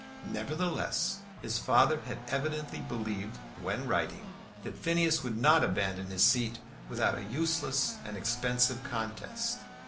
Nevertheless, his father had evidently believed, when writing, that Phineas would not abandon his seat without a useless and expensive contest.